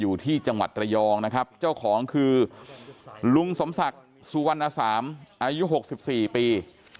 อยู่ที่จังหวัดระยองนะครับเจ้าของคือลุงสมศักดิ์สุวรรณสามอายุ๖๔ปี